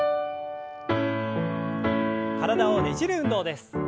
体をねじる運動です。